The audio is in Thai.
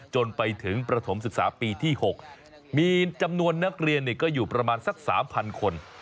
จนไปถึงประถมศึกษาปีที่๖มีจำนวนนักเรียนก็อยู่ประมาณสัก๓๐๐คน